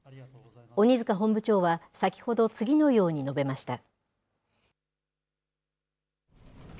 鬼塚本部長は先ほど次のように述べました。